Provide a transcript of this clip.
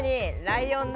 ライオン？